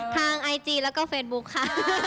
ทางไอจีและเฟซบุ๊กค่ะ